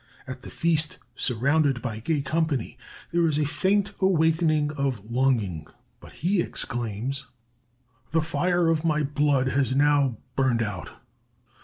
At the feast, surrounded by gay company, there is a faint awakening of longing, but he exclaims: "'The fire of my blood has now burned out.'